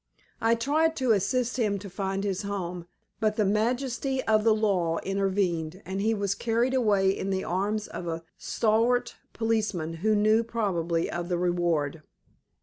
I tried to assist him to find his home, but the majesty of the law intervened, and he was carried away in the arms of a stalwart policeman who knew, probably, of the reward.